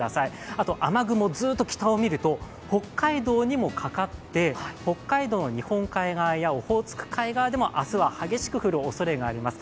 あと雨雲、ずっと北を見ると北海道にもかかって、北海道の日本海側やオホーツク海側でも明日は激しく降るおそれがあります。